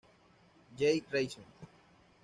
Joyce Reason.